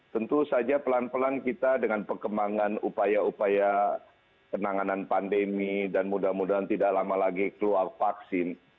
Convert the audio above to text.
tentu saja pelan pelan kita dengan perkembangan upaya upaya penanganan pandemi dan mudah mudahan tidak lama lagi keluar vaksin